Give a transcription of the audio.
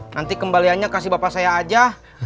nanti kembaliannya kasih bapak saya aja